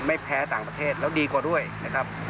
ไม่แพ้ต่างประเทศแล้วดีกว่าด้วยนะครับ